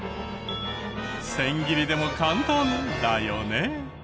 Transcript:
千切りでも簡単だよね？